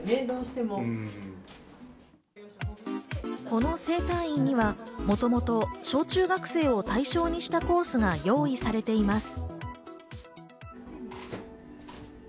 この整体院には、もともと小中学生を対象にしたコースが用意されています。